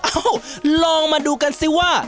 ลองมาดูกันสิว่า